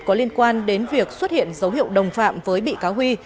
có liên quan đến việc xuất hiện dấu hiệu đồng phạm với bị cáo huy